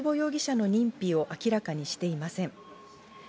警察は大坪容疑者の認否を明らかにしていません。